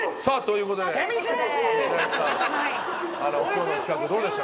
今日の企画どうでした？